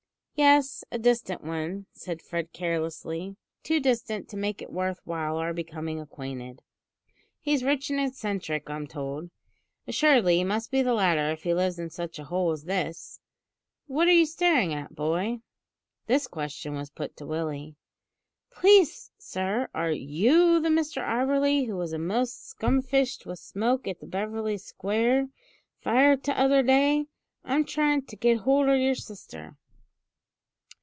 "Yes; a distant one," said Fred carelessly, "too distant to make it worth while our becoming acquainted. He's rich and eccentric, I'm told. Assuredly, he must be the latter if he lives in such a hole as this. What are you staring at, boy?" This question was put to Willie. "Please, sir, are you the Mr Auberly who was a'most skumfished with smoke at the Beverly Square fire t'other day, in tryin' to git hold o' yer sister?"